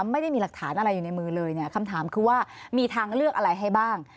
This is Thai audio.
ไม่ได้มีหลักฐานอะไรอยู่ในมือเลยเนี่ยคำถามคือว่ามีทางเลือกอะไรให้บ้าง